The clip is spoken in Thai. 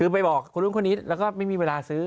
ไปบอกคนนู้นคนนี้แล้วก็ไม่มีเวลาซื้อ